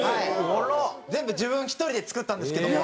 全部自分１人で作ったんですけども。